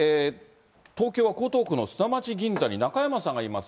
東京は江東区の砂町銀座に中山さんがいます。